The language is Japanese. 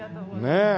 ねえ。